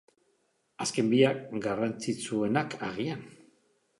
Azken biak, garrantzitsuenak agian.